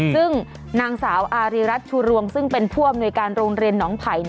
ซึ่งนางสาวอารีรัฐชูรวงซึ่งเป็นผู้อำนวยการโรงเรียนหนองไผ่